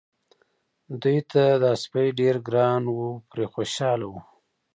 دوی ته دا سپی ډېر ګران و پرې خوشاله وو.